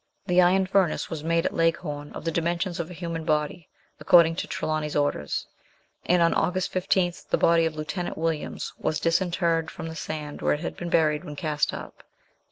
The iron furnace was made at Leghorn, of the dimensions of a human body, according to Trelawny's orders ; and on August 15 the body of Lieutenant Williams was disinterred from the sand where it had been buried when cast up.